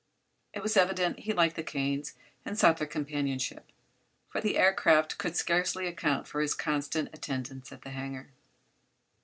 It was evident he liked the Kanes and sought their companionship, for the aircraft could scarcely account for his constant attendance at the hangar.